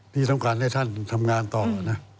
ที่ต้องการให้ท่านทำงานต่อนะ